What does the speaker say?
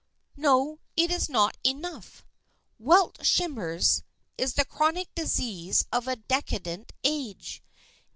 "No, it is not enough. Welt Schmerz is the chronic disease of a decadent age.